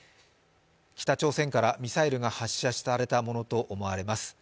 北朝鮮からミサイルが発車されたものと思われます。